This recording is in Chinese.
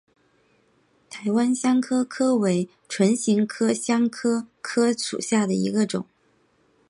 台湾香科科为唇形科香科科属下的一个种。